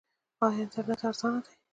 آیا انټرنیټ ارزانه دی؟